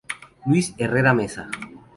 Luis Herrera Mesa.